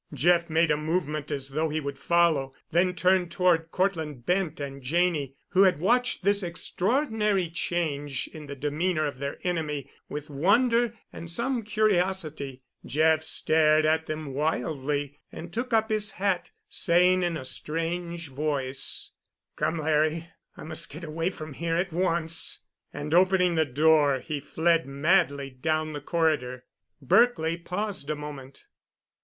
Jeff made a movement as though he would follow—then turned toward Cortland Bent and Janney, who had watched this extraordinary change in the demeanor of their enemy with wonder and some curiosity. Jeff stared at them wildly and took up his hat, saying in a strange voice, "Come, Larry, I must get away from here—at once," and, opening the door, he fled madly down the corridor. Berkely paused a moment.